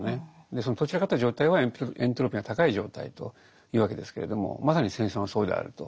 そのとっ散らかった状態はエントロピーが高い状態というわけですけれどもまさに戦争がそうであると。